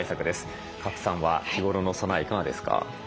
賀来さんは日頃の備えいかがですか？